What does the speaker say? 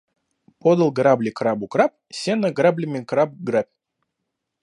Подал грабли крабу краб: сено, граблями краб грабь